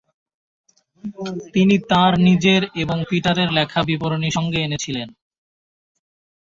তিনি তাঁর নিজের এবং পিটারের লেখা বিবরণী সঙ্গে এনেছিলেন।